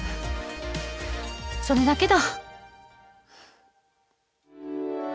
それだけだ。